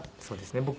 そうですね。